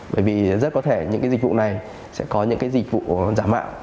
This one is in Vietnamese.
bởi vì rất có thể những dịch vụ này sẽ có những dịch vụ giả mạo